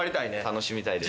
楽しみたいです。